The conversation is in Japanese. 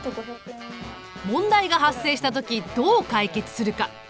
問題が発生した時どう解決するか。